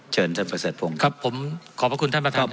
เชิญท่านประเสริฐพงศ์ครับผมขอบพระคุณท่านประธานครับ